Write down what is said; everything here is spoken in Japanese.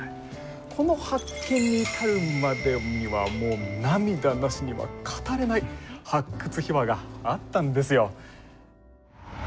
この発見に至るまでにはもう涙なしには語れない発掘秘話があったんですよ。